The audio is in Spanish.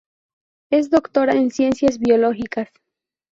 Es doctora en Ciencias Biológicas.